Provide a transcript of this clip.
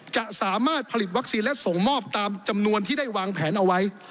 จะสามารถผลิตวัคซีนและส่งมอบตามจำนวนที่ได้วางแผนเอาไว้